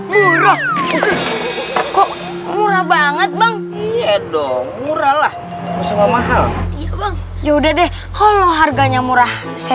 murah kok murah banget bang iya dong murah lah sama mahal iya bang yaudah deh kalau harganya murah saya